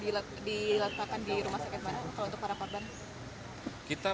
kalau itu para korban